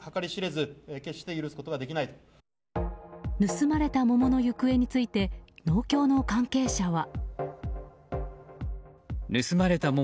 盗まれた桃の行方について農協の関係者は。